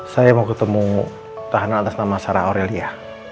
saya mau ketemu tahanan atas nama sarah aurelia